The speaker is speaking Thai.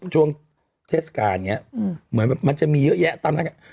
ช่วงเทสการเหมือนมันจะมีเยอะแยะตามนั้น